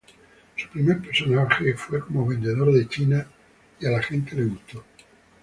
Su primer personaje fue como vendedor de China y a la gente le gustó.